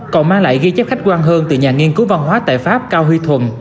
còn mang lại ghi chép khách quan hơn từ nhà nghiên cứu văn hóa tại pháp cao huy thuần